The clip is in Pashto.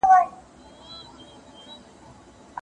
د نکاح او حرام عمل تر منځ فرق د واده اعلان دی.